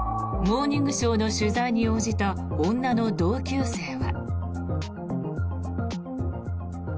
「モーニングショー」の取材に応じた、女の同級生は。